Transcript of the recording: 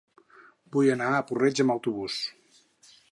Vull anar a Puig-reig amb autobús.